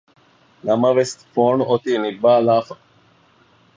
ނަމަވެސް ފޯނު އޮތީ ނިއްވާލާފަ